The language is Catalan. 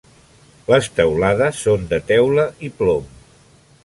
Les teulades són de teula i plom.